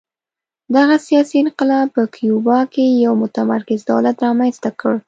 دغه سیاسي انقلاب په کیوبا کې یو متمرکز دولت رامنځته کړ